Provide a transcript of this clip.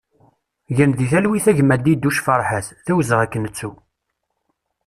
Gen di talwit a gma Diduc Ferḥat, d awezɣi ad k-nettu!